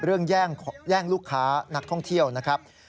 แย่งลูกค้านักท่องเที่ยวนะครับ